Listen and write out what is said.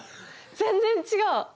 全然違う！